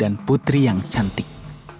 dan putri yang cantik